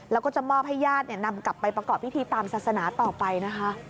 แล้วก็จะมอบให้ญาตินำกลับไปประกอบพิธีตามศาสนาต่อไปนะคะ